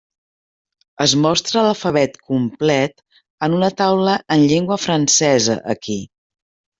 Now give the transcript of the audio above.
Es mostra l'alfabet complet en una taula en llengua francesa aquí.